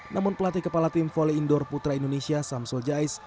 namun pelatih kepala tim volley indoor putra indonesia samsul jais